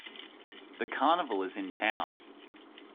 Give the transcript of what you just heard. The carnival is in town.